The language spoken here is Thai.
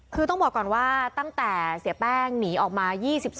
คือต้องบอกก่อนว่าตั้งแต่เสียแป้งหนีออกมา